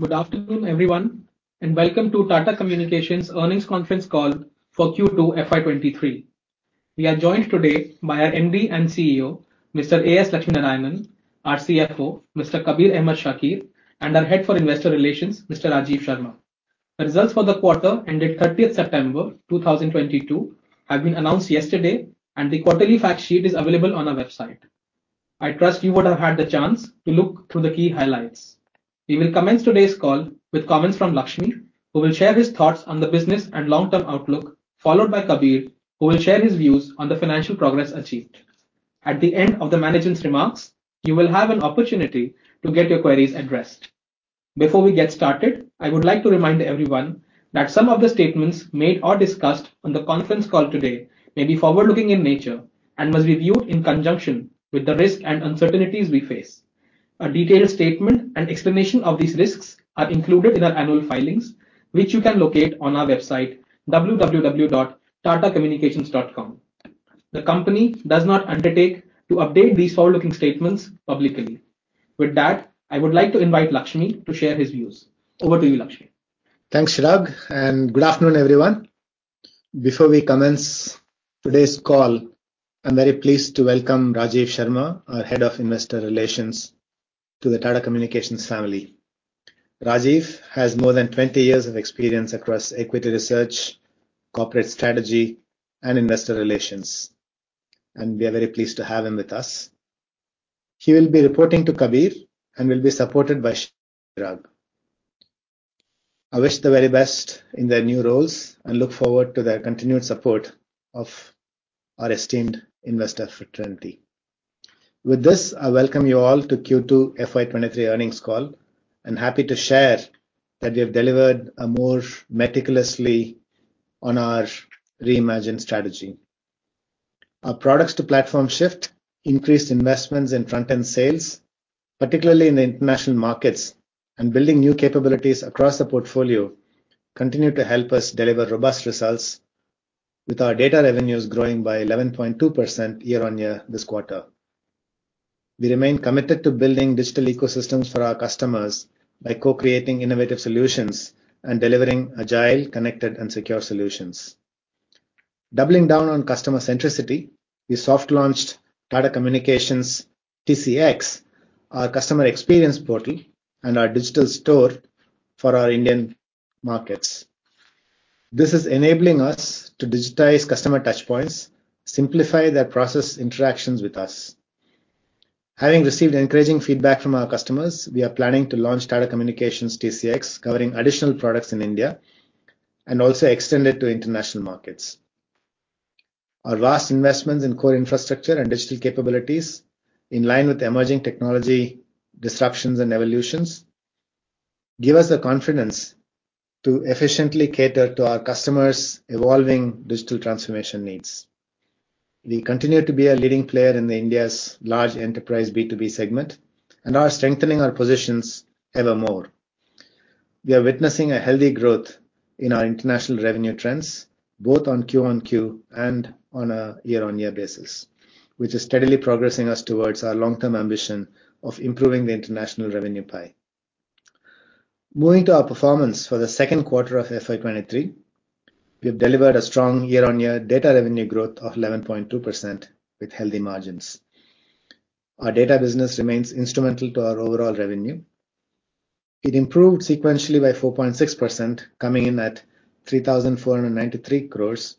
Good afternoon, everyone, and welcome to Tata Communications Earnings Conference Call for Q2 FY 2023. We are joined today by our MD and CEO, Mr. A.S. Lakshminarayanan, our CFO, Mr. Kabir Ahmed Shakir, and our Head for Investor Relations, Mr. Rajiv Sharma. The results for the quarter ended 30th September 2022 have been announced yesterday, and the quarterly fact sheet is available on our website. I trust you would have had the chance to look through the key highlights. We will commence today's call with comments from Lakshmi, who will share his thoughts on the business and long-term outlook, followed by Kabir, who will share his views on the financial progress achieved. At the end of the management's remarks, you will have an opportunity to get your queries addressed. Before we get started, I would like to remind everyone that some of the statements made or discussed on the conference call today may be forward-looking in nature and must be viewed in conjunction with the risks and uncertainties we face. A detailed statement and explanation of these risks are included in our annual filings, which you can locate on our website www.tatacommunications.com. The company does not undertake to update these forward-looking statements publicly. With that, I would like to invite Lakshminarayanan to share his views. Over to you, Lakshminarayanan. Thanks, Chirag, and good afternoon, everyone. Before we commence today's call, I'm very pleased to welcome Rajiv Sharma, our Head of Investor Relations to the Tata Communications family. Rajiv has more than 20 years of experience across equity research, corporate strategy, and investor relations, and we are very pleased to have him with us. He will be reporting to Kabir and will be supported by Chirag. I wish the very best in their new roles and look forward to their continued support of our esteemed investor fraternity. With this, I welcome you all to Q2 FY23 earnings call. I'm happy to share that we have delivered even more meticulously on our reimagined strategy. Our product-to-platform shift, increased investments in front-end sales, particularly in the International markets, and building new capabilities across the portfolio continue to help us deliver robust results with our data revenues growing by 11.2% year-on-year this quarter. We remain committed to building digital ecosystems for our customers by co-creating innovative solutions and delivering agile, connected, and secure solutions. Doubling down on customer centricity, we soft-launched Tata Communications TCX, our customer experience portal and our digital store for our Indian markets. This is enabling us to digitize customer touchpoints, simplify their process interactions with us. Having received encouraging feedback from our customers, we are planning to launch Tata Communications TCX covering additional products in India and also extend it to International markets. Our vast investments in core infrastructure and digital capabilities, in line with emerging technology disruptions and evolutions, give us the confidence to efficiently cater to our customers' evolving digital transformation needs. We continue to be a leading player in India's large enterprise B2B segment and are strengthening our positions even more. We are witnessing a healthy growth in our International revenue trends, both on Q-on-Q and on a year-on-year basis, which is steadily progressing us towards our long-term ambition of improving the International revenue pie. Moving to our performance for the Q2 of FY23, we have delivered a strong year-on-year data revenue growth of 11.2% with healthy margins. Our data business remains instrumental to our overall revenue. It improved sequentially by 4.6%, coming in at 3,493 crores.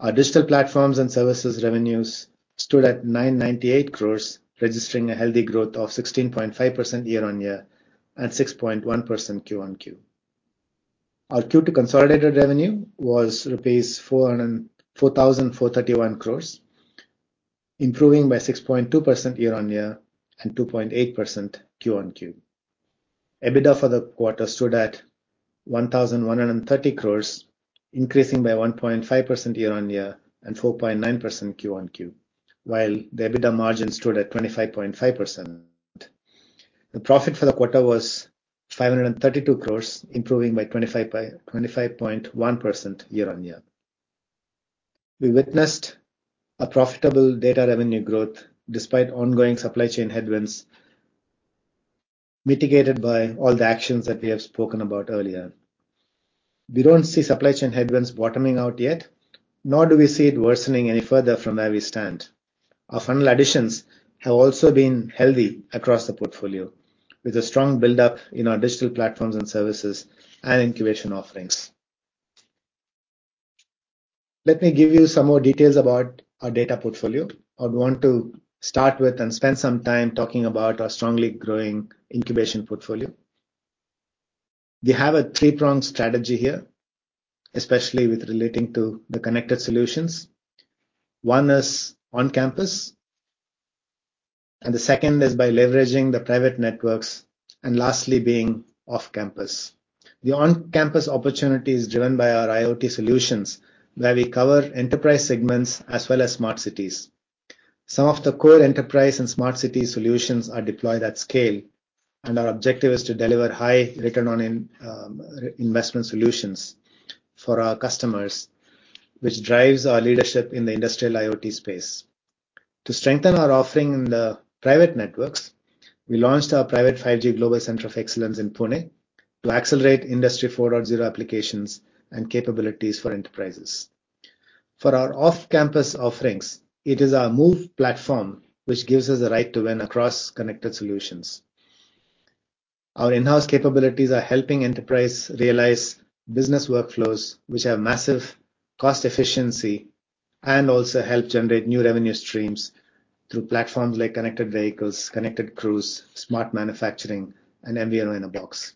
Our digital platforms and services revenues stood at 998 crore, registering a healthy growth of 16.5% year-on-year and 6.1% Q-on-Q. Our Q2 consolidated revenue was rupees 4,431 crore, improving by 6.2% year-on-year and 2.8% Q-on-Q. EBITDA for the quarter stood at 1,130 crore, increasing by 1.5% year-on-year and 4.9% Q-on-Q, while the EBITDA margin stood at 25.5%. The profit for the quarter was 532 crore, improving by 25.1% year-on-year. We witnessed a profitable data revenue growth despite ongoing supply chain headwinds mitigated by all the actions that we have spoken about earlier. We don't see supply chain headwinds bottoming out yet, nor do we see it worsening any further from where we stand. Our funnel additions have also been healthy across the portfolio with a strong buildup in our digital platforms and services and incubation offerings. Let me give you some more details about our data portfolio. I want to start with and spend some time talking about our strongly growing incubation portfolio. We have a three-pronged strategy here, especially with relating to the Connected Solutions. One is on-campus, and the second is by leveraging the private networks, and lastly being off-campus. The on-campus opportunity is driven by our IoT solutions, where we cover enterprise segments as well as smart cities. Some of the core enterprise and smart city solutions are deployed at scale, and our objective is to deliver high return on investment solutions for our customers, which drives our leadership in the industrial IoT space. To strengthen our offering in the private networks, we launched our private 5G Global Center of Excellence in Pune to accelerate Industry 4.0 applications and capabilities for enterprises. For our off-campus offerings, it is our MOVE platform which gives us the right to win across Connected Solutions. Our in-house capabilities are helping enterprise realize business workflows which have massive cost efficiency and also help generate new revenue streams through platforms like connected vehicles, connected crews, smart manufacturing, and MVNO in a box.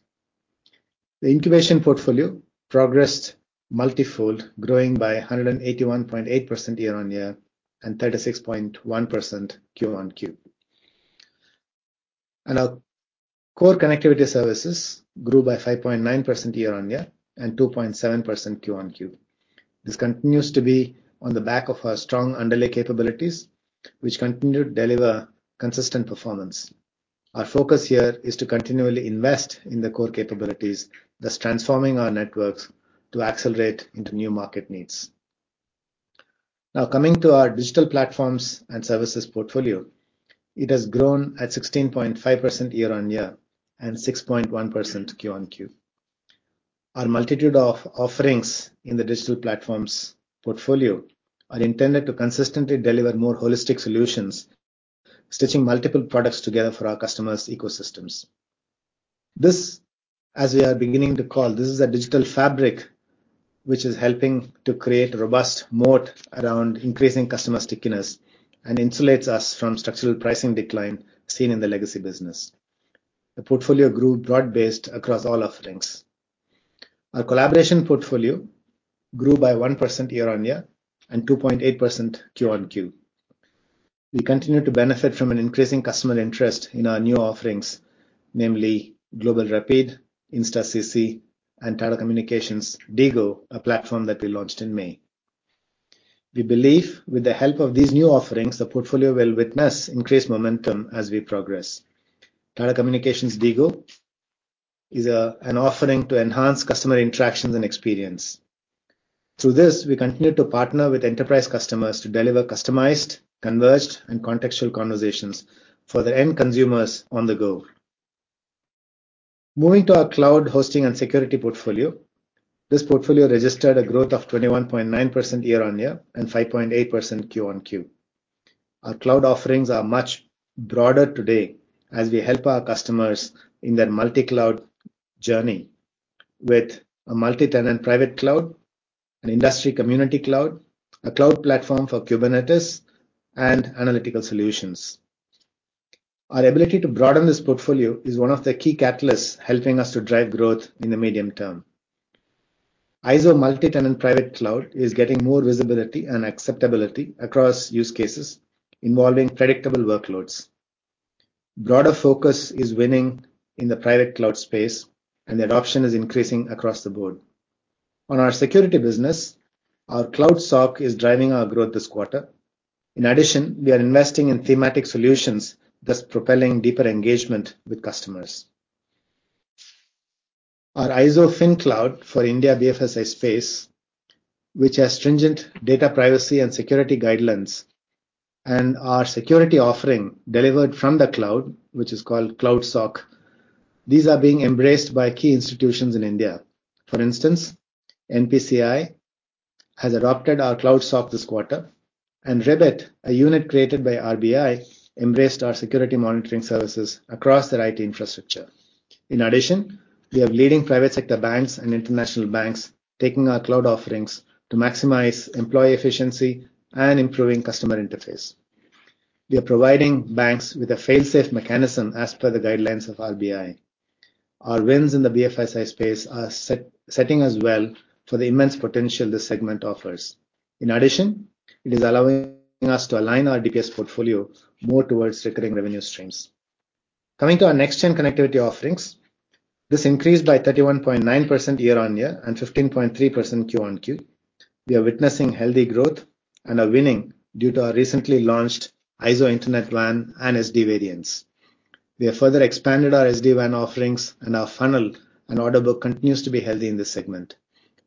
The incubation portfolio progressed multi-fold, growing by 181.8% year-on-year and 36.1% Q-on-Q. Our core connectivity services grew by 5.9% year-on-year and 2.7% Q-on-Q. This continues to be on the back of our strong underlay capabilities, which continue to deliver consistent performance. Our focus here is to continually invest in the core capabilities, thus transforming our networks to accelerate into new market needs. Now, coming to our digital platforms and services portfolio. It has grown at 16.5% year-on-year and 6.1% Q-on-Q. Our multitude of offerings in the digital platforms portfolio are intended to consistently deliver more holistic solutions, stitching multiple products together for our customers' ecosystems. This, as we are beginning to call, this is a digital fabric, which is helping to create robust moat around increasing customer stickiness and insulates us from structural pricing decline seen in the legacy business. The portfolio grew broad-based across all offerings. Our collaboration portfolio grew by 1% year-on-year and 2.8% Q-on-Q. We continue to benefit from an increasing customer interest in our new offerings, namely GlobalRapide, InstaCC, and Tata Communications DIGO, a platform that we launched in May. We believe with the help of these new offerings, the portfolio will witness increased momentum as we progress. Tata Communications DIGO is an offering to enhance customer interactions and experience. Through this, we continue to partner with enterprise customers to deliver customized, converged, and contextual conversations for their end consumers on the go. Moving to our cloud hosting and security portfolio. This portfolio registered a growth of 21.9% year-on-year and 5.8% Q-on-Q. Our cloud offerings are much broader today as we help our customers in their multi-cloud journey with a multi-tenant private cloud, an industry community cloud, a cloud platform for Kubernetes, and analytical solutions. Our ability to broaden this portfolio is one of the key catalysts helping us to drive growth in the medium term. IZO Multi-Tenant Private cloud is getting more visibility and acceptability across use cases involving predictable workloads. Broader focus is winning in the private cloud space, and the adoption is increasing across the board. On our security business, our Cloud SOC is driving our growth this quarter. In addition, we are investing in thematic solutions, thus propelling deeper engagement with customers. Our IZO FinCloud for India BFSI space, which has stringent data privacy and security guidelines, and our security offering delivered from the cloud, which is called Cloud SOC. These are being embraced by key institutions in India. For instance, NPCI has adopted our Cloud SOC this quarter, and ReBIT, a unit created by RBI, embraced our security monitoring services across their IT infrastructure. In addition, we have leading private sector banks and International banks taking our cloud offerings to maximize employee efficiency and improving customer interface. We are providing banks with a fail-safe mechanism as per the guidelines of RBI. Our wins in the BFSI space are setting us well for the immense potential this segment offers. In addition, it is allowing us to align our biggest portfolio more towards recurring revenue streams. Coming to our next-gen connectivity offerings. This increased by 31.9% year-on-year and 15.3% Q-on-Q. We are witnessing healthy growth and are winning due to our recently launched IZO Internet WAN and SD-WAN variants. We have further expanded our SD-WAN offerings, and our funnel and order book continues to be healthy in this segment.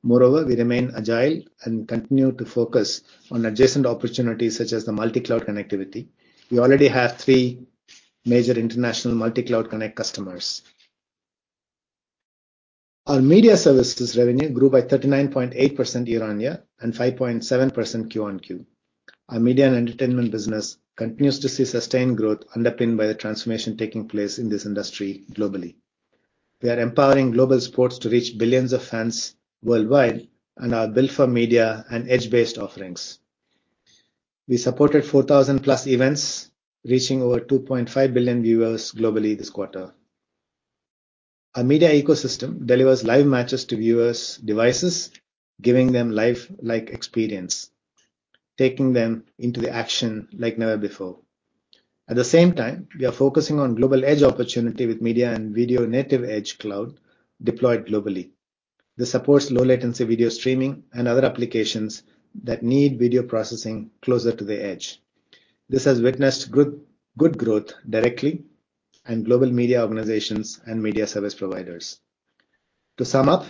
Moreover, we remain agile and continue to focus on adjacent opportunities, such as the multi-cloud connectivity. We already have three major International multi-cloud connect customers. Our media services revenue grew by 39.8% year-on-year and 5.7% Q-on-Q. Our media and entertainment business continues to see sustained growth underpinned by the transformation taking place in this industry globally. We are empowering global sports to reach billions of fans worldwide and our build for media and edge-based offerings. We supported 4,000+ events, reaching over 2.5 billion viewers globally this quarter. Our media ecosystem delivers live matches to viewers' devices, giving them lifelike experience, taking them into the action like never before. At the same time, we are focusing on global edge opportunity with media and video native edge cloud deployed globally. This supports low-latency video streaming and other applications that need video processing closer to the edge. This has witnessed good growth directly in global media organizations and media service providers. To sum up,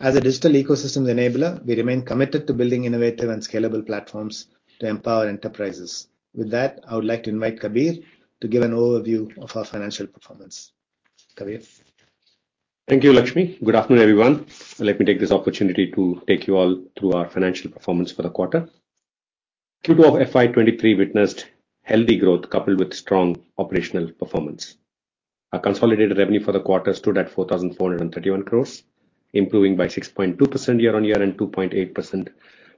as a digital ecosystems enabler, we remain committed to building innovative and scalable platforms to empower enterprises. With that, I would like to invite Kabir to give an overview of our financial performance. Kabir? Thank you, Lakshminarayanan. Good afternoon, everyone. Let me take this opportunity to take you all through our financial performance for the quarter. Q2 of FY23 witnessed healthy growth coupled with strong operational performance. Our consolidated revenue for the quarter stood at 4,431 crore, improving by 6.2% year-on-year and 2.8%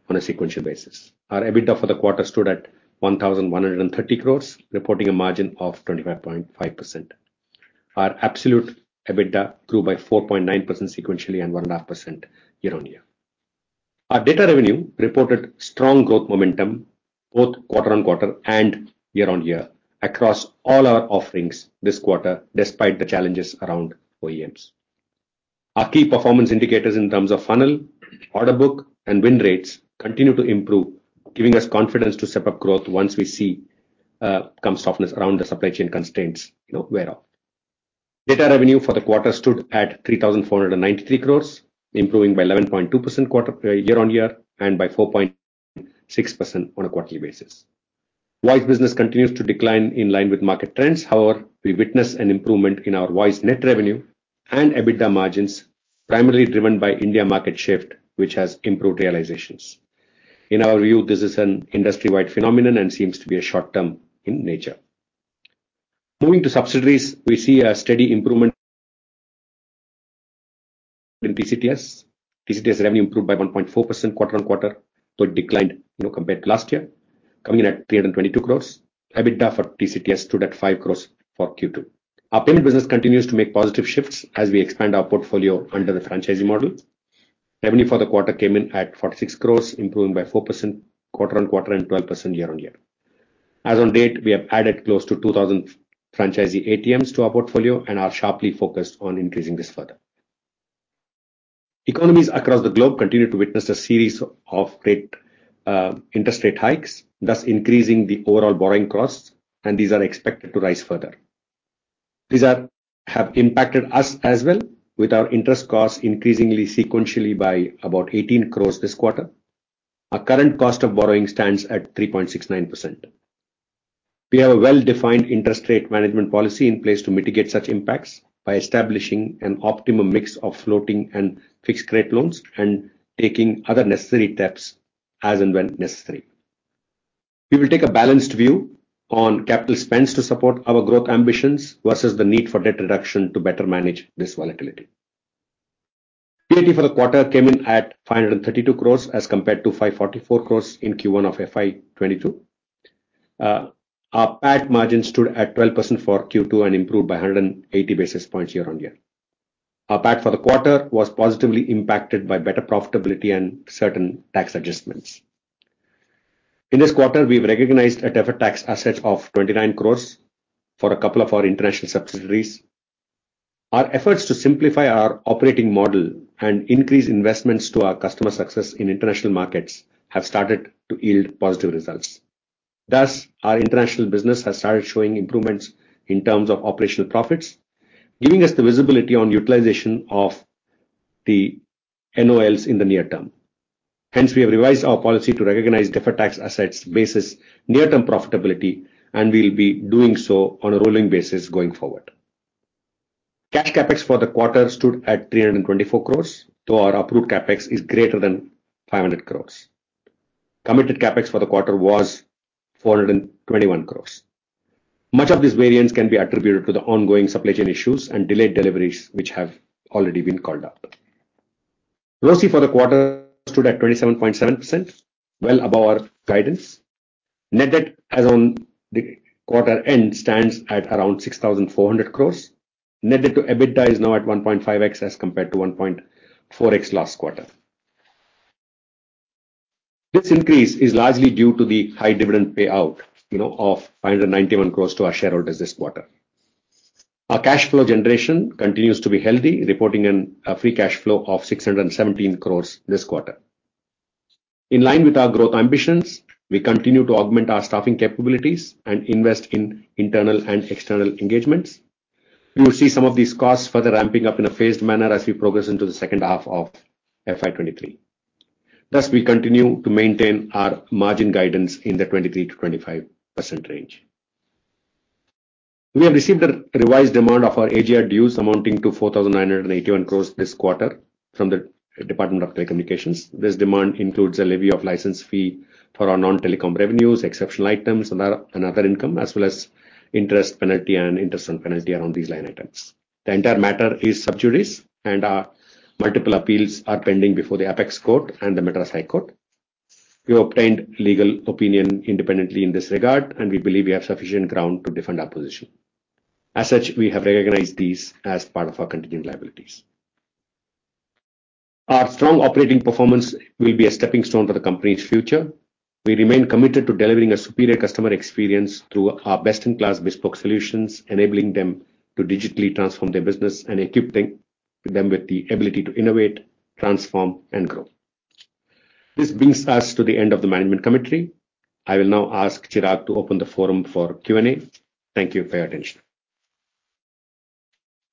on a sequential basis. Our EBITDA for the quarter stood at 1,130 crore, reporting a margin of 25.5%. Our absolute EBITDA grew by 4.9% sequentially and 1.5% year-on-year. Our data revenue reported strong growth momentum both quarter-on-quarter and year-on-year across all our offerings this quarter, despite the challenges around OEMs. Our key performance indicators in terms of funnel, order book, and win rates continue to improve, giving us confidence to step up growth once we see some softness around the supply chain constraints, you know, wear off. Data revenue for the quarter stood at 3,493 crores, improving by 11.2% year-on-year and by 4.6% on a quarterly basis. Voice business continues to decline in line with market trends. However, we witnessed an improvement in our voice net revenue and EBITDA margins, primarily driven by India market shift, which has improved realizations. In our view, this is an industry-wide phenomenon and seems to be short-term in nature. Moving to subsidiaries, we see a steady improvement in TCTS. TCTS revenue improved by 1.4% quarter-on-quarter, though it declined, you know, compared to last year, coming in at 322 crore. EBITDA for TCTS stood at 5 crore for Q2. Our payment business continues to make positive shifts as we expand our portfolio under the franchisee model. Revenue for the quarter came in at 46 crore, improving by 4% quarter-on-quarter and 12% year-on-year. As on date, we have added close to 2,000 franchisee ATMs to our portfolio and are sharply focused on increasing this further. Economies across the globe continue to witness a series of rate, interest rate hikes, thus increasing the overall borrowing costs, and these are expected to rise further. These have impacted us as well, with our interest costs increasing sequentially by about 18 crore this quarter. Our current cost of borrowing stands at 3.69%. We have a well-defined interest rate management policy in place to mitigate such impacts by establishing an optimum mix of floating and fixed-rate loans and taking other necessary steps as and when necessary. We will take a balanced view on capital spends to support our growth ambitions versus the need for debt reduction to better manage this volatility. PAT for the quarter came in at 532 crores as compared to 544 crores in Q1 of FY 2022. Our PAT margin stood at 12% for Q2 and improved by 180 basis points year-on-year. Our PAT for the quarter was positively impacted by better profitability and certain tax adjustments. In this quarter, we've recognized a deferred tax asset of 29 crores for a couple of our International subsidiaries. Our efforts to simplify our operating model and increase investments to our customer success in International markets have started to yield positive results. Thus, our International business has started showing improvements in terms of operational profits, giving us the visibility on utilization of the NOLs in the near term. Hence, we have revised our policy to recognize deferred tax assets basis near-term profitability, and we'll be doing so on a rolling basis going forward. Cash CapEx for the quarter stood at 324 crores, though our approved CapEx is greater than 500 crores. Committed CapEx for the quarter was 421 crores. Much of this variance can be attributed to the ongoing supply chain issues and delayed deliveries, which have already been called out. ROCE for the quarter stood at 27.7%, well above our guidance. Net debt as on the quarter end stands at around 6,400 crore. Net debt to EBITDA is now at 1.5x as compared to 1.4x last quarter. This increase is largely due to the high dividend payout, you know, of 591 crore to our shareholders this quarter. Our cash flow generation continues to be healthy, reporting a free cash flow of 617 crore this quarter. In line with our growth ambitions, we continue to augment our staffing capabilities and invest in internal and external engagements. You will see some of these costs further ramping up in a phased manner as we progress into the second half of FY 2023. Thus, we continue to maintain our margin guidance in the 23%-25% range. We have received a revised demand of our AGR dues amounting to 4,981 crore this quarter from the Department of Telecommunications. This demand includes a levy of license fee for our non-telecom revenues, exceptional items, and other income, as well as interest, penalty, and interest and penalty around these line items. The entire matter is sub judice, and multiple appeals are pending before the Apex Court and the Madras High Court. We obtained legal opinion independently in this regard, and we believe we have sufficient ground to defend our position. As such, we have recognized these as part of our continuing liabilities. Our strong operating performance will be a stepping stone to the company's future. We remain committed to delivering a superior customer experience through our best-in-class bespoke solutions, enabling them to digitally transform their business and equipping them with the ability to innovate, transform, and grow. This brings us to the end of the management commentary. I will now ask Chirag to open the forum for Q&A. Thank you for your attention.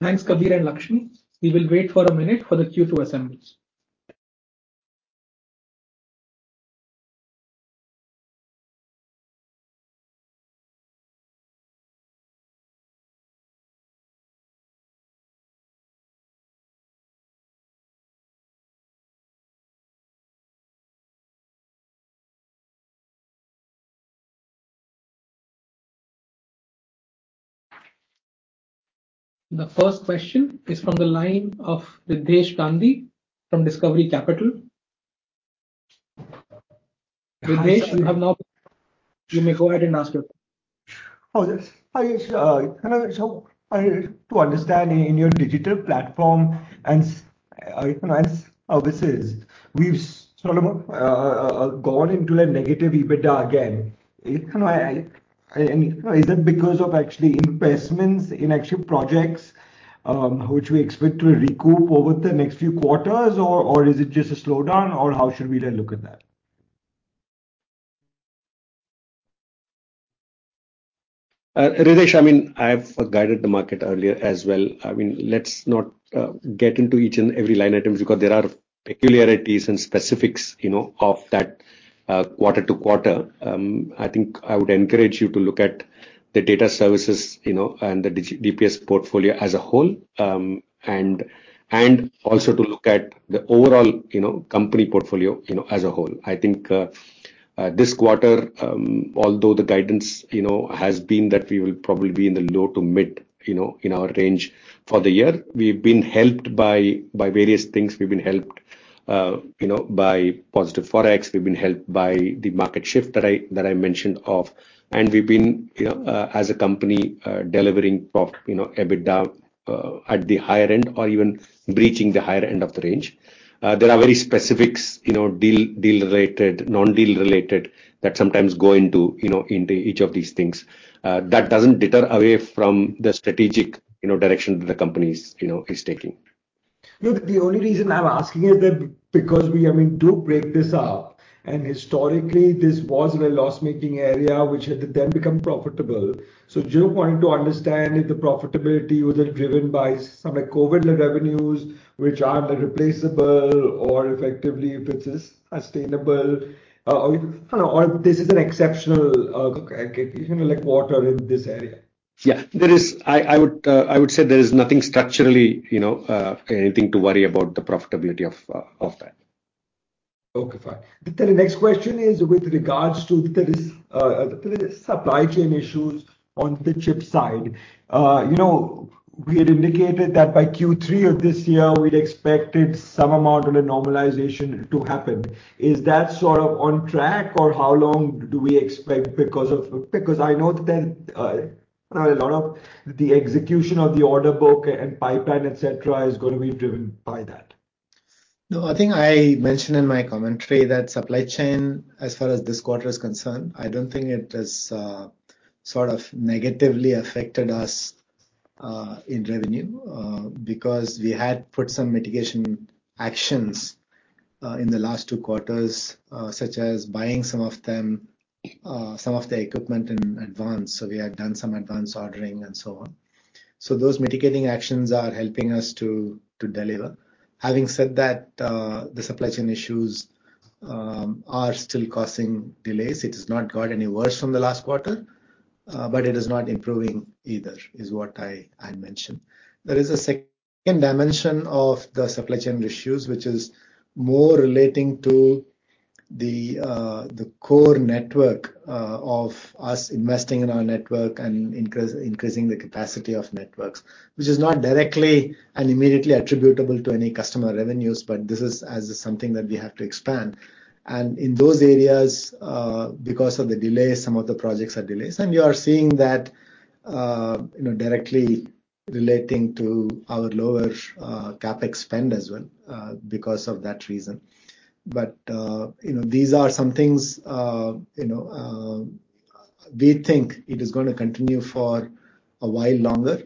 Thanks, Kabir and Lakshminarayanan. We will wait for a minute for the queue to assemble. The first question is from the line of Ritesh Gandhi from Discovery Capital. Ritesh, you may go ahead and ask your question. Oh, yes. Hi, to understand your digital platform and so, you know, as to how this is, we've sort of gone into a negative EBITDA again. You know, is it because of actual investments in actual projects, which we expect to recoup over the next few quarters or is it just a slowdown or how should we then look at that? Ritesh, I mean, I've guided the market earlier as well. I mean, let's not get into each and every line items because there are peculiarities and specifics, you know, of that quarter to quarter. I think I would encourage you to look at the Data Services, you know, and the DPS portfolio as a whole. And also to look at the overall, you know, company portfolio, you know, as a whole. I think this quarter, although the guidance, you know, has been that we will probably be in the low to mid, you know, in our range for the year. We've been helped by various things. We've been helped, you know, by positive Forex. We've been helped by the market shift that I mentioned of. We've been, you know, as a company, delivering profit, you know, EBITDA, at the higher end or even breaching the higher end of the range. There are very specific, you know, deal-related, non-deal-related, that sometimes go into, you know, into each of these things. That doesn't detract from the strategic, you know, direction that the company is taking. Look, the only reason I'm asking is that because we, I mean, do break this up and historically this was the loss-making area which had then become profitable. Just wanting to understand if the profitability was driven by some, like, COVID revenues which are irreplaceable or effectively if it's sustainable, or, you know, or this is an exceptional, you know, like quarter in this area. Yeah. I would say there is nothing structurally, you know, anything to worry about the profitability of that. Okay, fine. The very next question is with regards to the supply chain issues on the chip side. You know, we had indicated that by Q3 of this year we'd expected some amount of a normalization to happen. Is that sort of on track or how long do we expect? Because I know that a lot of the execution of the order book and pipeline, et cetera, is going to be driven by that. No, I think I mentioned in my commentary that supply chain as far as this quarter is concerned, I don't think it has sort of negatively affected us in revenue, because we had put some mitigation actions in the last two quarters, such as buying some of them, some of the equipment in advance, so we had done some advance ordering and so on. Those mitigating actions are helping us to deliver. Having said that, the supply chain issues are still causing delays. It has not got any worse from the last quarter, but it is not improving either, is what I mentioned. There is a second dimension of the supply chain issues which is more relating to the core network of us investing in our network and increasing the capacity of networks, which is not directly and immediately attributable to any customer revenues, but this is something that we have to expand. In those areas, because of the delays, some of the projects are delayed. You are seeing that, you know, directly relating to our lower CapEx spend as well, because of that reason. You know, these are some things, you know, we think it is gonna continue for a while longer.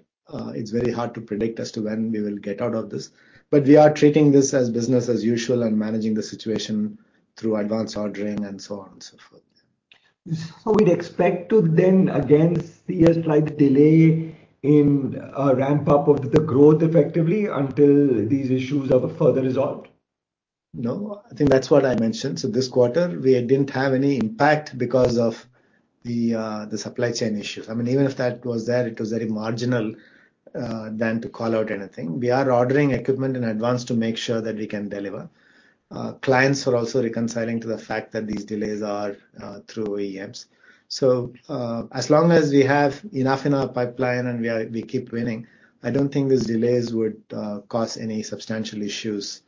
It's very hard to predict as to when we will get out of this, but we are treating this as business as usual and managing the situation through advanced ordering and so on and so forth, yeah. We'd expect to then again see a slight delay in ramp-up of the growth effectively until these issues are further resolved? No, I think that's what I mentioned. This quarter we didn't have any impact because of the supply chain issues. I mean, even if that was there, it was very marginal than to call out anything. We are ordering equipment in advance to make sure that we can deliver. Clients are also reconciling to the fact that these delays are through OEMs. As long as we have enough in our pipeline and we keep winning, I don't think these delays would cause any substantial issues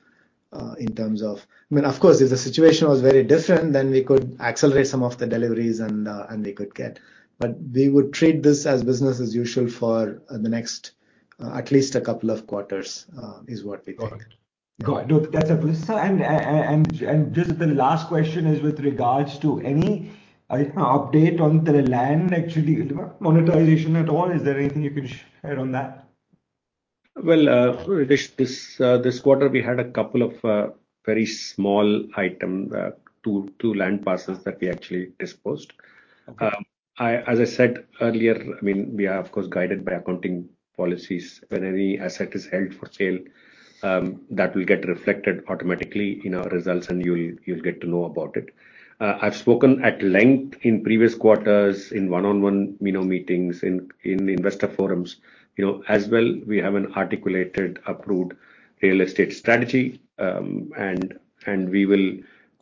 in terms of. I mean, of course, if the situation was very different, then we could accelerate some of the deliveries and they could get. We would treat this as business as usual for the next at least a couple of quarters is what we think. Got it. No, that's absolutely. Just the last question is with regards to any update on the land actually monetization at all. Is there anything you can share on that? This quarter we had a couple of very small items, two land parcels that we actually disposed. Okay. As I said earlier, I mean, we are of course guided by accounting policies. When any asset is held for sale, that will get reflected automatically in our results and you'll get to know about it. I've spoken at length in previous quarters in one-on-one, you know, meetings, in investor forums. You know, as well, we have an articulated approved real estate strategy.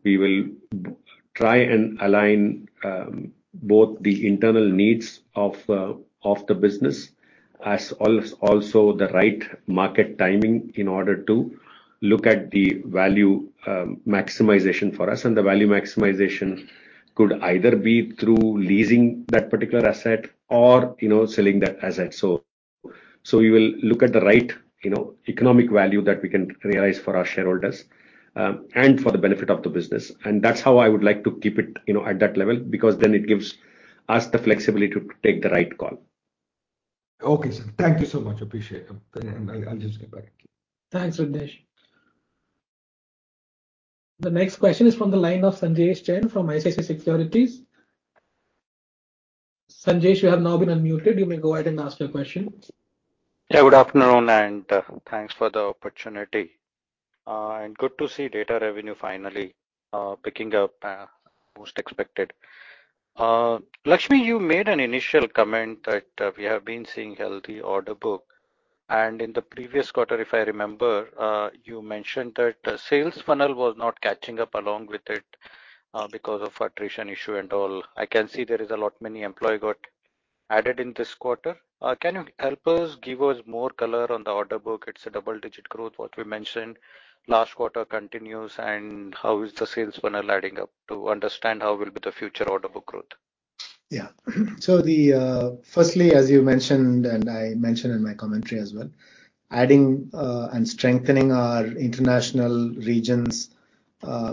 We will try and align both the internal needs of the business as also the right market timing in order to look at the value maximization for us. The value maximization could either be through leasing that particular asset or, you know, selling that asset. We will look at the right, you know, economic value that we can realize for our shareholders, and for the benefit of the business. That's how I would like to keep it, you know, at that level, because then it gives us the flexibility to take the right call. Okay, sir. Thank you so much. Appreciate it. I'll just get back. Thanks, Riddhesh. The next question is from the line of Sanjesh Jain from ICICI Securities. Sanjesh, you have now been unmuted. You may go ahead and ask your question. Yeah, good afternoon, and thanks for the opportunity. Good to see data revenue finally picking up, most expected. Lakshminarayanan, you made an initial comment that we have been seeing healthy order book. In the previous quarter, if I remember, you mentioned that the sales funnel was not catching up along with it because of attrition issue and all. I can see there is a lot many employee got added in this quarter. Can you help us give us more color on the order book? It's a double-digit growth, what we mentioned. Last quarter continues, and how is the sales funnel adding up to understand how will be the future order book growth? Firstly, as you mentioned, and I mentioned in my commentary as well, adding and strengthening our International regions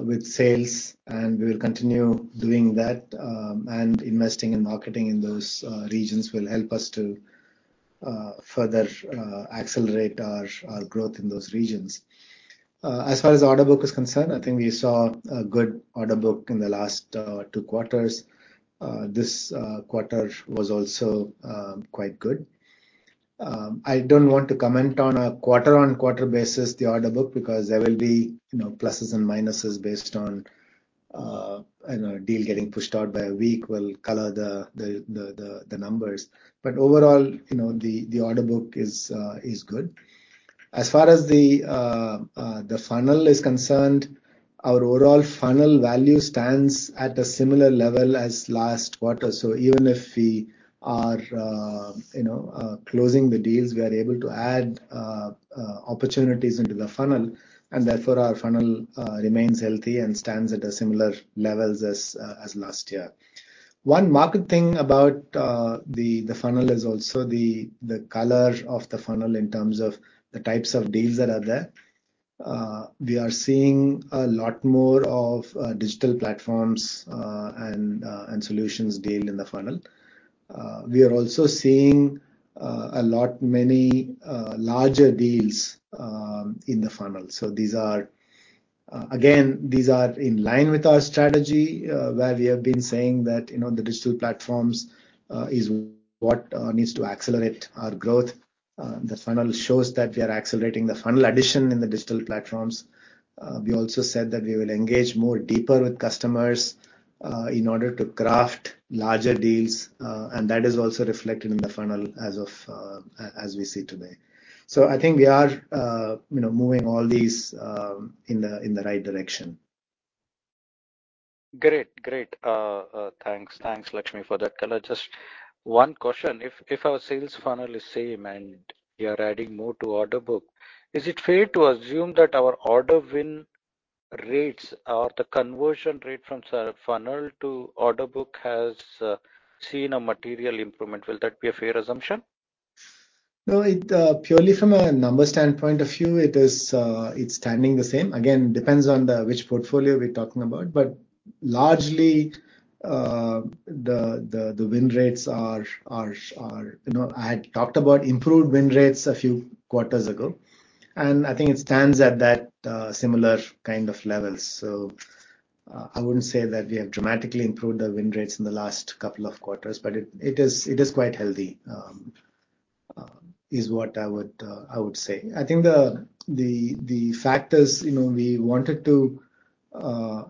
with sales, and we will continue doing that, and investing in marketing in those regions will help us to further accelerate our growth in those regions. As far as order book is concerned, I think we saw a good order book in the last two quarters. This quarter was also quite good. I don't want to comment on a quarter-on-quarter basis the order book because there will be, you know, pluses and minuses based on, you know, a deal getting pushed out by a week will color the numbers. Overall, you know, the order book is good. As far as the funnel is concerned, our overall funnel value stands at a similar level as last quarter. Even if we are, you know, closing the deals, we are able to add opportunities into the funnel, and therefore our funnel remains healthy and stands at a similar levels as last year. One more thing about the funnel is also the color of the funnel in terms of the types of deals that are there. We are seeing a lot more of digital platforms and solutions deals in the funnel. We are also seeing a lot many larger deals in the funnel. These are again in line with our strategy, where we have been saying that, you know, the digital platforms is what needs to accelerate our growth. The funnel shows that we are accelerating the funnel addition in the digital platforms. We also said that we will engage more deeper with customers in order to craft larger deals, and that is also reflected in the funnel as we see today. I think we are, you know, moving all these in the right direction. Thanks, Lakshminarayanan, for that color. Just one question. If our sales funnel is same and we are adding more to order book, is it fair to assume that our order win rates or the conversion rate from sales funnel to order book has seen a material improvement? Will that be a fair assumption? No, purely from a numbers point of view, it's staying the same. Again, depends on which portfolio we're talking about. Largely, the win rates are. You know, I had talked about improved win rates a few quarters ago, and I think it stands at that similar kind of levels. I wouldn't say that we have dramatically improved the win rates in the last couple of quarters, but it is quite healthy is what I would say. I think the factors, you know, we wanted to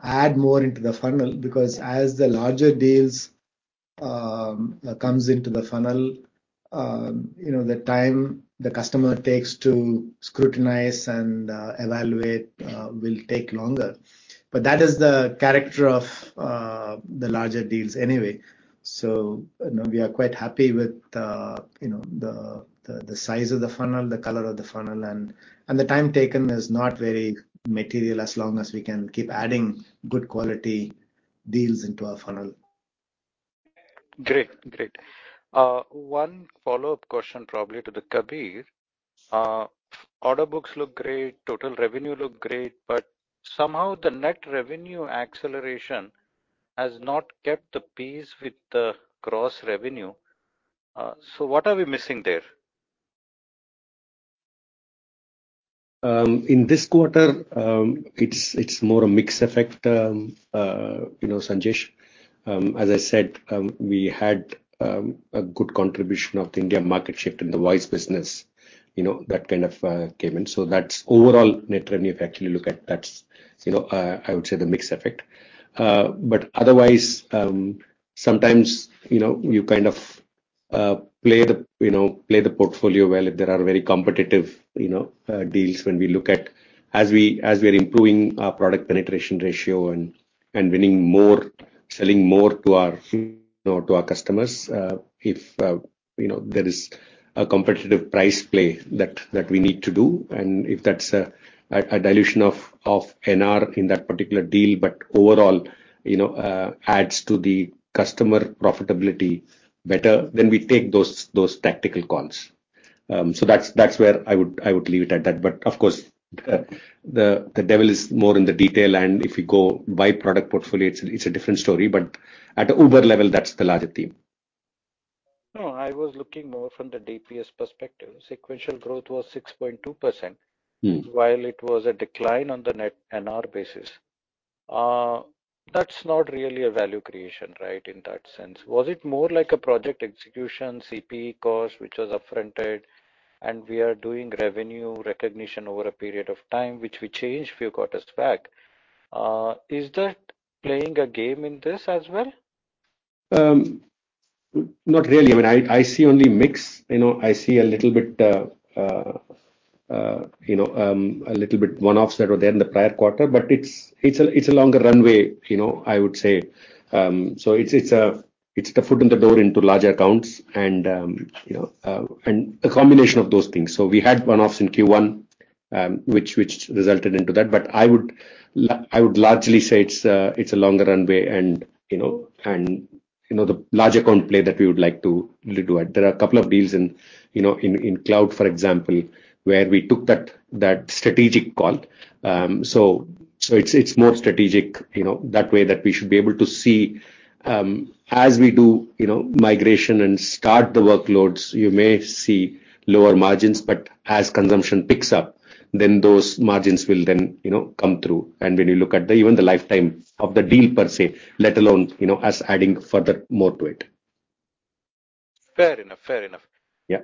add more into the funnel because as the larger deals comes into the funnel, you know, the time the customer takes to scrutinize and evaluate will take longer. That is the character of the larger deals anyway. You know, we are quite happy with, you know, the size of the funnel, the color of the funnel, and the time taken is not very material as long as we can keep adding good quality deals into our funnel. Great. One follow-up question probably to Mr. Kabir. Order books look great, total revenue look great, but somehow the net revenue acceleration has not kept pace with the gross revenue. What are we missing there? In this quarter, it's more a mix effect, you know, Sanjesh. As I said, we had a good contribution of the India market shift in the voice business, you know, that kind of came in. That's overall net revenue. If you actually look at that, you know, I would say the mix effect. Otherwise, sometimes, you know, you kind of play the portfolio well if there are very competitive, you know, deals when we look at, as we are improving our product penetration ratio and winning more, selling more to our, you know, to our customers. If you know, there is a competitive price play that we need to do, and if that's a dilution of NR in that particular deal, but overall, you know, adds to the customer profitability better, we take those tactical calls. That's where I would leave it at that. Of course, the devil is more in the details, and if you go by product portfolio, it's a different story. At the uber level, that's the larger theme. No, I was looking more from the DPS perspective. Sequential growth was 6.2%- Mm-hmm. -while it was a decline on the net NR basis. That's not really a value creation, right, in that sense. Was it more like a project execution, CPE cost, which was up-fronted and we are doing revenue recognition over a period of time, which we changed few quarters back? Is that playing a game in this as well? Not really. I mean, I see only mix. You know, I see a little bit you know, a little bit one-offs that were there in the prior quarter, but it's a longer runway, you know, I would say. It's the foot in the door into larger accounts and you know, and a combination of those things. We had one-offs in Q1, which resulted into that. I would largely say it's a longer runway and you know, the large account play that we would like to really do it. There are a couple of deals in cloud, for example, where we took that strategic call. So it's more strategic, you know, that way that we should be able to see, as we do, you know, migration and start the workloads, you may see lower margins, but as consumption picks up, then those margins will, you know, come through. When you look at the, even the lifetime of the deal per se, let alone, you know, us adding furthermore to it. Fair enough. Yeah.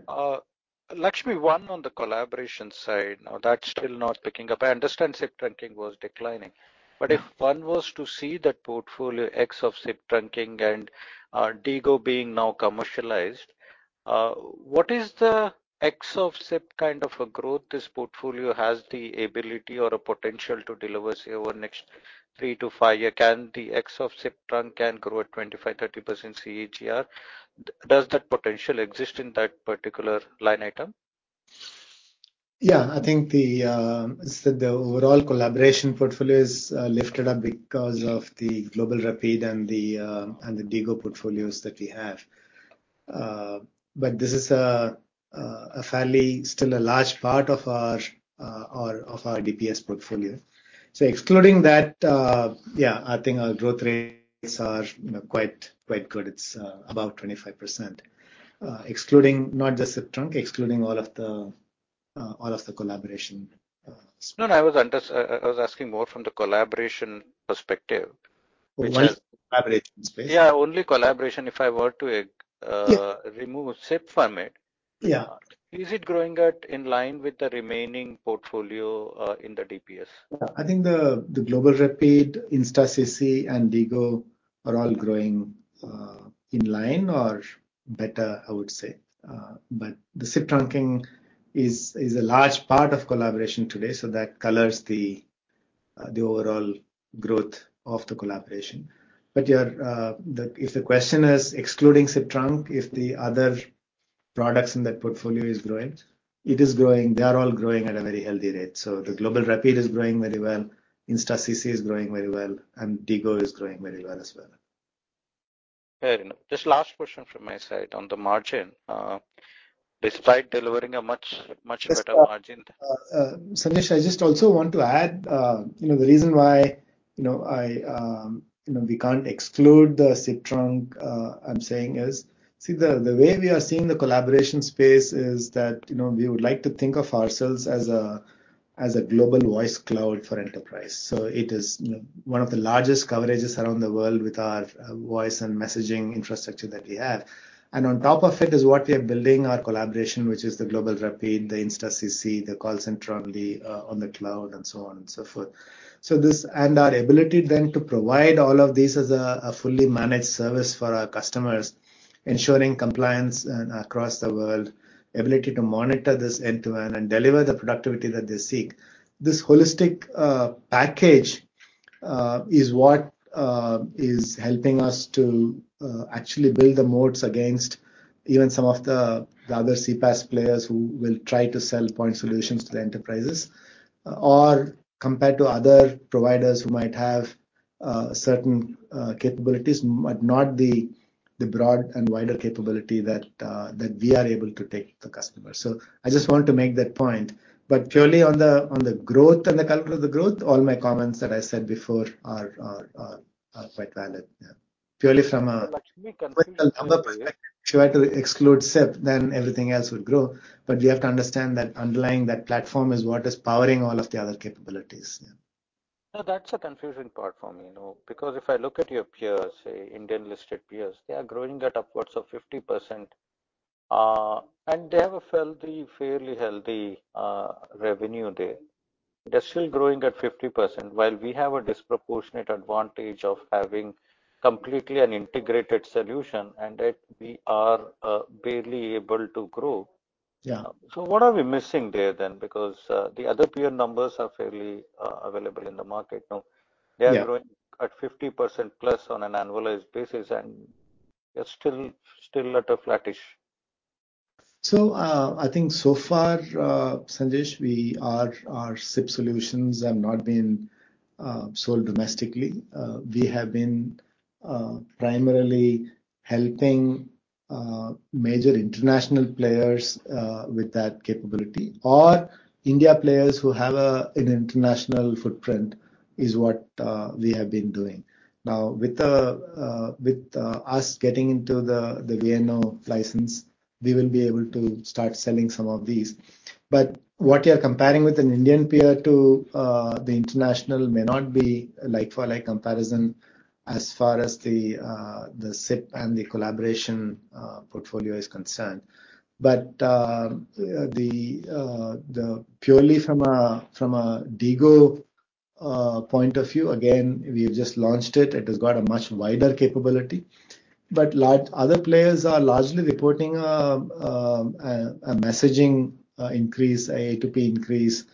Lakshminarayanan, one on the collaboration side. Now that's still not picking up. I understand SIP trunking was declining. Yeah. If one was to see that portfolio ex of SIP trunking and DIGO being now commercialized, what is the ex of SIP kind of a growth this portfolio has the ability or a potential to deliver, say, over next 3-5 years? Can the ex of SIP trunking grow at 25-30% CAGR? Does that potential exist in that particular line item? Yeah. I think as said, the overall collaboration portfolio is lifted up because of the GlobalRapide and the DIGO portfolios that we have. But this is a fairly large part of our DPS portfolio. Excluding that, yeah, I think our growth rates are, you know, quite good. It's about 25%. Excluding not just SIP trunk, excluding all of the collaboration. No, I was asking more from the collaboration perspective, which is. Only collaboration space? Yeah, only collaboration. If I were to- Yeah. -remove SIP from it. Yeah. Is it growing in line with the remaining portfolio, in the DPS? I think the GlobalRapide, InstaCC, and DIGO are all growing in line or better, I would say. The SIP trunking is a large part of collaboration today, so that colors the overall growth of the collaboration. If the question is excluding SIP trunk, if the other products in that portfolio is growing, it is growing. They are all growing at a very healthy rate. The GlobalRapide is growing very well. InstaCC is growing very well, and DIGO is growing very well as well. Fair enough. Just last question from my side on the margin. Despite delivering a much, much better margin- Just, Sanjesh, I just also want to add, you know, the reason why, you know, I, you know, we can't exclude the SIP trunk, I'm saying is, see the way we are seeing the collaboration space is that, you know, we would like to think of ourselves as a global voice cloud for enterprise. It is, you know, one of the largest coverages around the world with our voice and messaging infrastructure that we have. On top of it is what we are building our collaboration, which is the GlobalRapide, the InstaCC, the call center on the cloud, and so on and so forth. Our ability then to provide all of these as a fully managed service for our customers, ensuring compliance across the world, ability to monitor this end-to-end and deliver the productivity that they seek. This holistic package is what is helping us to actually build the moats against even some of the other CPaaS players who will try to sell point solutions to the enterprises, or compared to other providers who might have certain capabilities but not the broad and wider capability that we are able to take to customer. I just want to make that point. Purely on the growth and the caliber of the growth, all my comments that I said before are quite valid. Yeah. Purely from a- Lakshmi- If you had to exclude SIP, then everything else would grow. We have to understand that underlying that platform is what is powering all of the other capabilities. Yeah. No, that's the confusing part for me, you know. Because if I look at your peers, say, Indian listed peers, they are growing at upwards of 50%, and they have a healthy, fairly healthy, revenue there. They're still growing at 50%, while we have a disproportionate advantage of having completely an integrated solution, and yet we are barely able to grow. Yeah. What are we missing there then? Because the other peer numbers are fairly available in the market, no? Yeah. They are growing at 50%+ on an annualized basis, and you're still at a flattish. I think so far, Sanjesh, our SIP solutions have not been sold domestically. We have been primarily helping major International players with that capability. Or Indian players who have an International footprint is what we have been doing. Now, with us getting into the VNO license, we will be able to start selling some of these. What you're comparing with an Indian peer to the International may not be a like-for-like comparison as far as the SIP and the collaboration portfolio is concerned. Purely from a DIGO point of view, again, we've just launched it. It has got a much wider capability. Other players are largely reporting a messaging A2P increase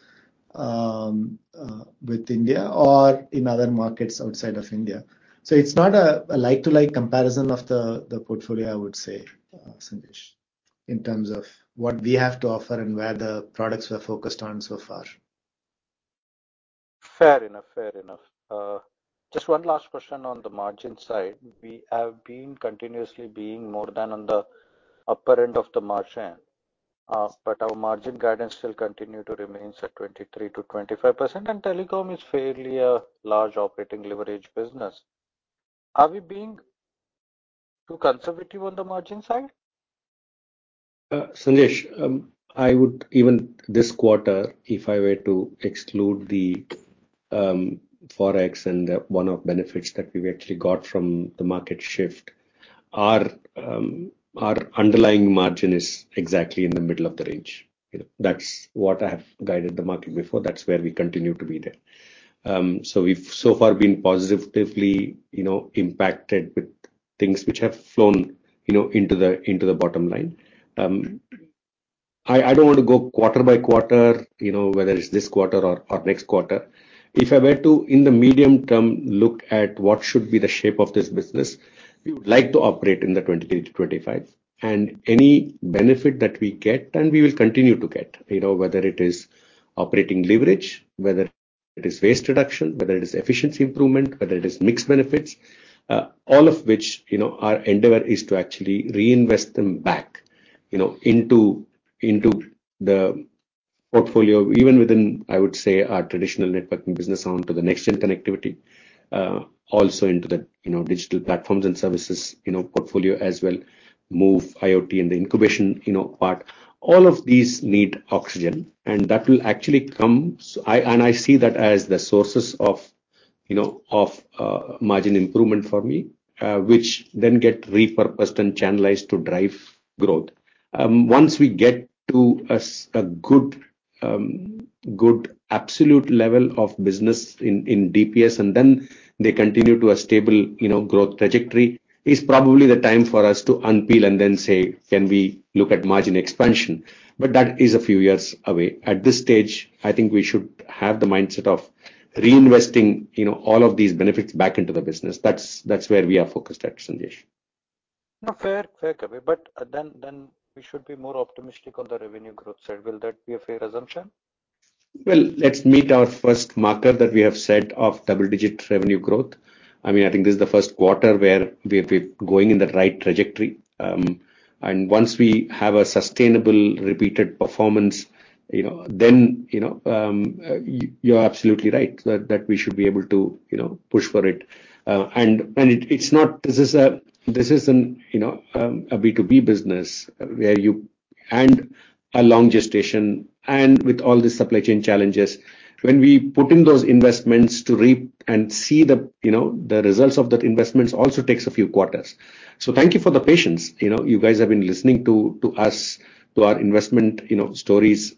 within India or in other markets outside of India. It's not a like-for-like comparison of the portfolio, I would say, Sanjesh, in terms of what we have to offer and where the products were focused on so far. Fair enough. Just one last question on the margin side. We have been continuously being more than on the upper end of the margin, but our margin guidance still continue to remain at 23%-25%, and telecom is fairly a large operating leverage business. Are we being too conservative on the margin side? Sanjesh, even this quarter, if I were to exclude the Forex and the one-off benefits that we've actually got from the market shift, our underlying margin is exactly in the middle of the range. You know, that's what I have guided the market before. That's where we continue to be there. So we've so far been positively, you know, impacted with things which have flown, you know, into the bottom line. I don't want to go quarter by quarter, you know, whether it's this quarter or next quarter. If I were to, in the medium term, look at what should be the shape of this business, we would like to operate in the 23%-25%. Any benefit that we get, and we will continue to get, you know, whether it is operating leverage, whether it is waste reduction, whether it is efficiency improvement, whether it is mixed benefits, all of which, you know, our endeavor is to actually reinvest them back, you know, into the portfolio. Even within, I would say, our traditional networking business onto the nextGen connectivity. Also into the, you know, digital platforms and services, you know, portfolio as well. MOVE, IoT and the Incubation, you know, part. All of these need oxygen, and that will actually come. I see that as the sources of, you know, margin improvement for me, which then get repurposed and channelized to drive growth. Once we get to a good absolute level of business in DPS, and then they continue to a stable, you know, growth trajectory, is probably the time for us to unpeel and then say, "Can we look at margin expansion?" But that is a few years away. At this stage, I think we should have the mindset of reinvesting, you know, all of these benefits back into the business. That's where we are focused at, Sanjesh. No, fair. Fair, Kabir. We should be more optimistic on the revenue growth side. Will that be a fair assumption? Well, let's meet our first marker that we have set of double-digit revenue growth. I mean, I think this is the Q1 where we've been going in the right trajectory. Once we have a sustainable repeated performance, you know, then you're absolutely right that we should be able to, you know, push for it. It's not. This is a B2B business with a long gestation and with all the supply chain challenges. When we put in those investments to reap and see the results of those investments also takes a few quarters. Thank you for the patience. You know, you guys have been listening to us, to our investment stories,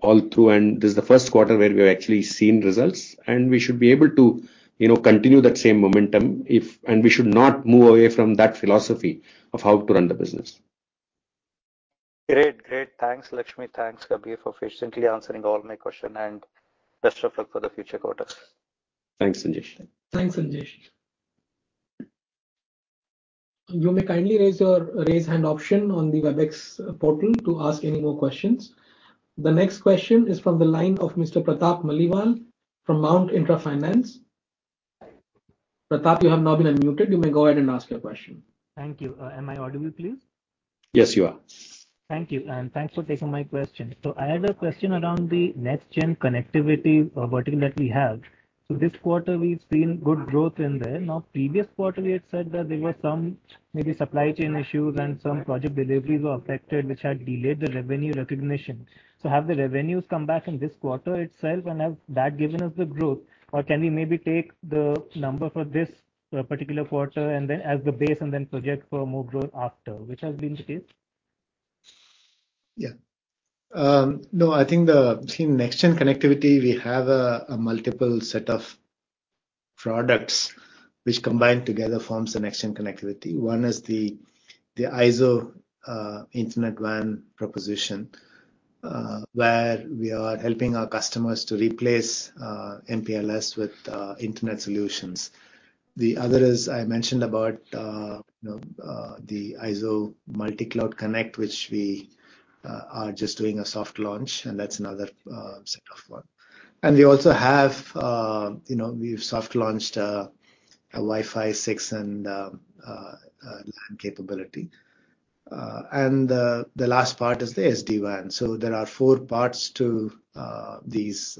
all through, and this is the Q1 where we've actually seen results. We should not move away from that philosophy of how to run the business. Great. Thanks, Lakshminarayanan. Thanks, Kabir, for patiently answering all my question, and best of luck for the future quarters. Thanks, Sanjesh. Thanks, Sanjesh. You may kindly raise your Raise Hand option on the Webex portal to ask any more questions. The next question is from the line of Mr. Pratap Maliwal from Mount Intra Finance. Pratap, you have now been unmuted. You may go ahead and ask your question. Thank you. Am I audible, please? Yes, you are. Thank you, and thanks for taking my question. I had a question around the next-gen connectivity vertical that we have. This quarter we've seen good growth in there. Now, previous quarter we had said that there were some maybe supply chain issues and some project deliveries were affected, which had delayed the revenue recognition. Have the revenues come back in this quarter itself, and has that given us the growth? Can we maybe take the number for this particular quarter and then as the base and then project for more growth after? Which has been the case? No, I think. See, next-gen connectivity, we have a multiple set of products which combined together forms the next-gen connectivity. One is the IZO Internet WAN proposition, where we are helping our customers to replace MPLS with internet solutions. The other is, I mentioned about, you know, the IZO Multi Cloud Connect, which we are just doing a soft launch, and that's another set of one. We also have, you know, we've soft launched a Wi-Fi 6 and LAN capability. The last part is the SD-WAN. There are four parts to these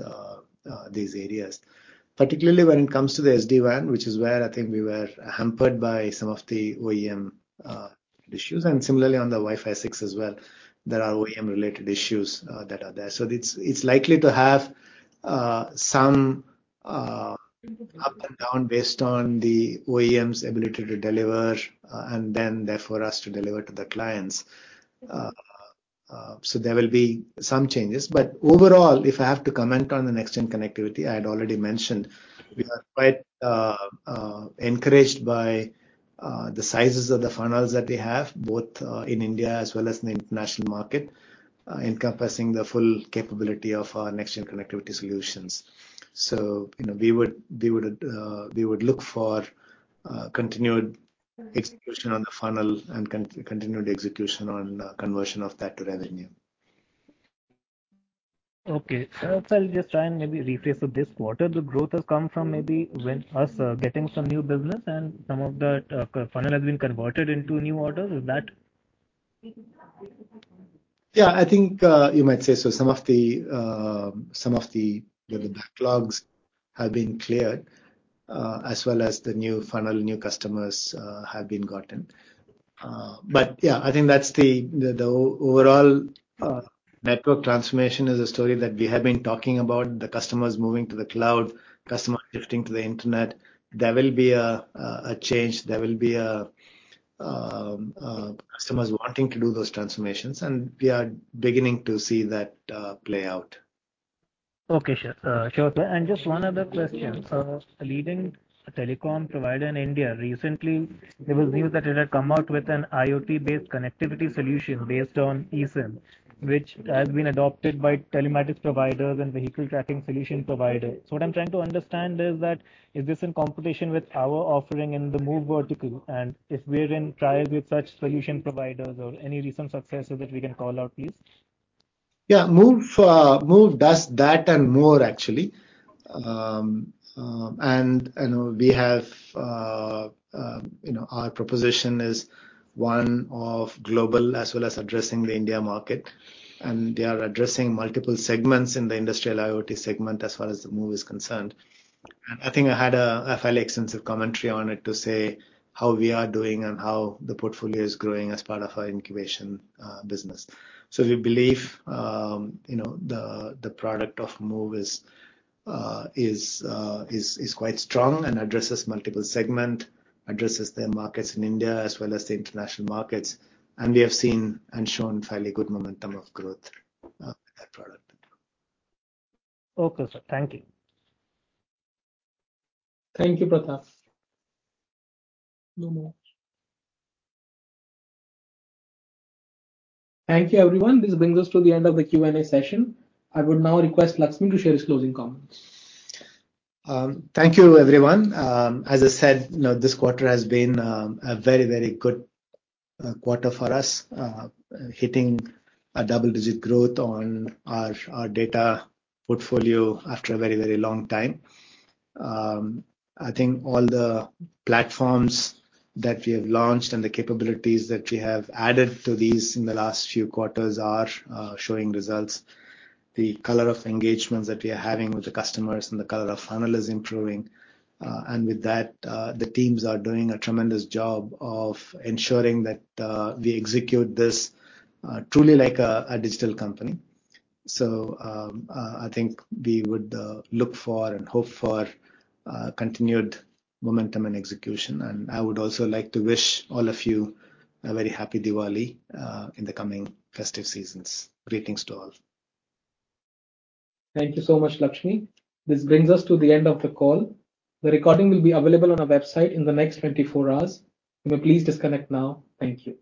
areas. Particularly when it comes to the SD-WAN, which is where I think we were hampered by some of the OEM issues, and similarly on the Wi-Fi 6 as well, there are OEM related issues that are there. It's likely to have some up and down based on the OEM's ability to deliver, and then therefore us to deliver to the clients. There will be some changes. Overall, if I have to comment on the next-gen connectivity, I had already mentioned we are quite encouraged by the sizes of the funnels that we have, both in India as well as in the International market, encompassing the full capability of our next-gen connectivity solutions. You know, we would look for continued execution on the funnel and continued execution on conversion of that to revenue. Okay. I'll just try and maybe rephrase. This quarter the growth has come from maybe us getting some new business and some of that funnel has been converted into new orders. Is that? Yeah, I think you might say so. Some of the, you know, the backlogs have been cleared, as well as the new funnel, new customers, have been gotten. I think that's the overall network transformation is a story that we have been talking about, the customers moving to the cloud, customers shifting to the internet. There will be a change. There will be customers wanting to do those transformations, and we are beginning to see that play out. Okay, sure. Just one other question. A leading telecom provider in India, recently there was news that it had come out with an IoT-based connectivity solution based on eSIM, which has been adopted by telematics providers and vehicle tracking solution providers. What I'm trying to understand is that, is this in competition with our offering in the MOVE vertical? If we're in trials with such solution providers or any recent successes that we can call out, please. Yeah. MOVE does that and more actually. You know, we have you know, our proposition is one of global as well as addressing the India market, and they are addressing multiple segments in the industrial IoT segment as far as MOVE is concerned. I think I had a fairly extensive commentary on it to say how we are doing and how the portfolio is growing as part of our incubation business. We believe you know, the product of MOVE is quite strong and addresses multiple segments in the markets in India as well as the International markets, and we have seen and shown fairly good momentum of growth with that product. Okay, sir. Thank you. Thank you, Pratap. No more. Thank you, everyone. This brings us to the end of the Q&A session. I would now request A.S. Lakshminarayanan to share his closing comments. Thank you, everyone. As I said, you know, this quarter has been a very good quarter for us, hitting a double-digit growth on our data portfolio after a very long time. I think all the platforms that we have launched and the capabilities that we have added to these in the last few quarters are showing results. The color of engagements that we are having with the customers and the color of funnel is improving. With that, the teams are doing a tremendous job of ensuring that we execute this truly like a digital company. I think we would look for and hope for continued momentum and execution. I would also like to wish all of you a very happy Diwali in the coming festive seasons. Greetings to all. Thank you so much, Lakshminarayanan. This brings us to the end of the call. The recording will be available on our website in the next 24 hours. You may please disconnect now. Thank you.